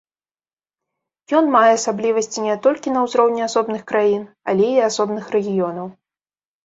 Ён мае асаблівасці не толькі на ўзроўні асобных краін, але і асобных рэгіёнаў.